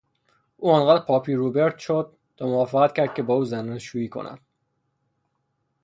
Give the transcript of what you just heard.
آن قدر پاپی روبرت شد تا موافقت کرد که با او زناشویی کند.